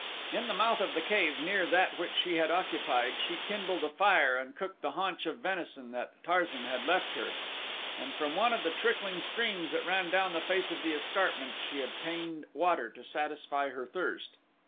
In the mouth of the cave near that which she had occupied she kindled a fire and cooked the haunch of venison that Tarzan had left her, and from one of the trickling streams that ran down the face of the escarpment she obtained water to satisfy her thirst.